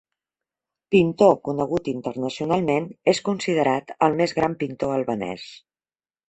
Pintor conegut internacionalment, és considerat el més gran pintor albanès.